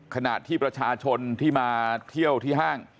ขณะที่ประชาชนที่มาเที่ยวที่ห้าง